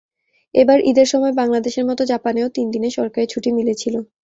এবার ঈদের সময় বাংলাদেশের মতো জাপানেও তিন দিনের সরকারি ছুটি মিলেছিল।